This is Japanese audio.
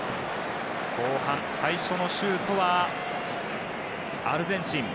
後半、最初のシュートはアルゼンチン。